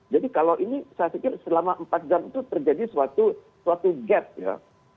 jadi kalau ini saya pikir selama empat jam itu terjadi suatu gap ya